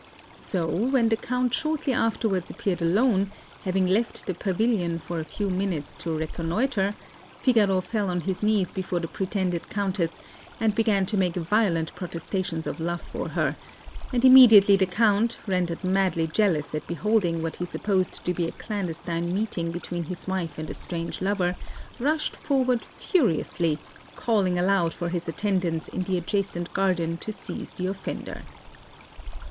So when the Count shortly afterwards appeared alone, having left the pavilion for a few minutes to reconnoitre, Figaro fell on his knees before the pretended Countess, and began to make violent protestations of love for her; and immediately the Count, rendered madly jealous at beholding what he supposed to be a clandestine meeting between his wife and a strange lover, rushed forward furiously, calling aloud for his attendants in the adjacent garden to seize the offender.